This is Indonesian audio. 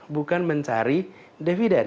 bukan mencari dividen